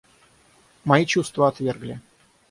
Мои чувства отвергли.